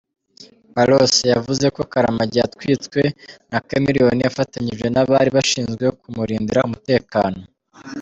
Pallaso yavuze ko Karamagi yatwitswe na Chameleone afatanyije n’abari bashinzwe kumurindira umutekano.